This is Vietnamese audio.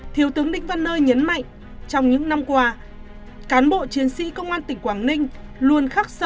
thiếu tướng đinh văn nơi nhấn mạnh trong những năm qua cán bộ chiến sĩ công an tỉnh quảng ninh luôn khắc sở